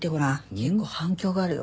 結構反響があるよ。